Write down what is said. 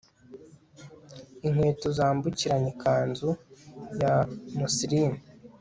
Inkweto zambukiranya ikanzu ya muslin